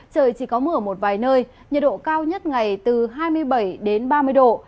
trời chỉ có mưa ở một vài nơi nhiệt độ cao nhất ngày từ hai mươi bảy đến ba mươi độ